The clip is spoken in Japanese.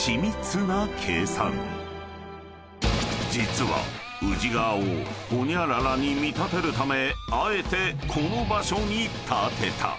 ［実は宇治川をホニャララに見立てるためあえてこの場所に建てた］